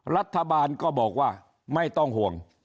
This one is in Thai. รัฐบาลก็บอกว่าไม่ต้องห่วง